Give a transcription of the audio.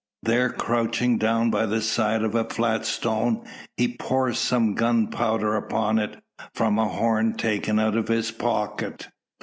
There, crouching down by the side of a flat stone, he pours some gunpowder upon it, from a horn taken out of his pocket.